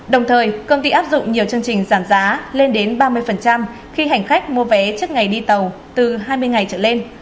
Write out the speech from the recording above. đồng thời công ty áp dụng nhiều chương trình giảm giá lên đến ba mươi khi hành khách mua vé trước ngày đi tàu từ hai mươi ngày trở lên